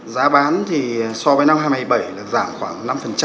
giá bán thì so với năm hai nghìn một mươi bảy là giảm khoảng năm